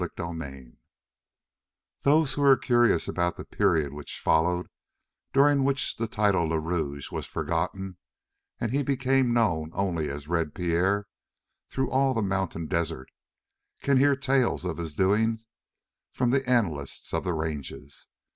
CHAPTER 15 Those who are curious about the period which followed during which the title "Le Rouge" was forgotten and he became known only as "Red" Pierre through all the mountain desert, can hear the tales of his doing from the analysts of the ranges.